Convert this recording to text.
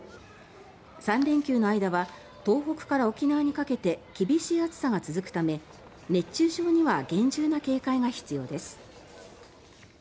３連休の間は東北から沖縄にかけて厳しい暑さが続くため熱中症には厳重な警戒が必要です。